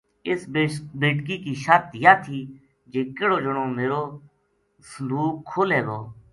اس بیٹکی کی شرط یاہ تھی جی کِہڑو جنو میرو صندوق کھولے گو